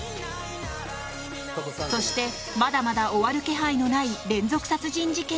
そしてまだまだ終わる気配のない連続殺人事件。